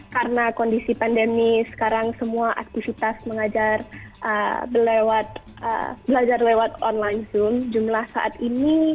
karena kondisi pandemi sekarang semua aktivitas mengajar belajar lewat online zoom jumlah saat ini